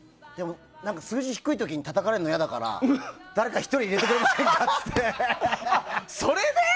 でも、数字低いときにたたかれるのやだから、誰か一人入れてあっ、それで？